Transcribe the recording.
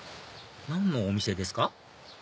何のお店ですか？